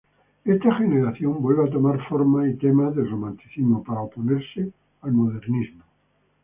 Esta generación vuelve a tomar formas y temas del romanticismo para oponerse al modernismo.